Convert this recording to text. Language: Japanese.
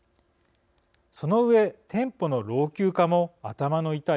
その上店舗の老朽化も頭の痛い問題です。